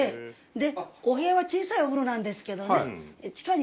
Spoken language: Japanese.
でお部屋は小さいお風呂なんですけどね。